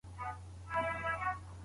په لاس لیکل د لیکوال د زړه غږ دی.